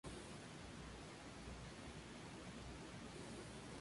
Se considera como la cerveza original de polar.